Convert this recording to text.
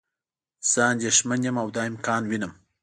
زه اندیښمند یم او دا امکان وینم.